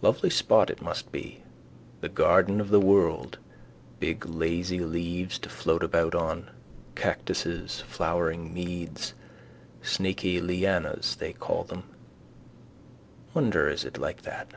Lovely spot it must be: the garden of the world, big lazy leaves to float about on, cactuses, flowery meads, snaky lianas they call them. Wonder is it like that.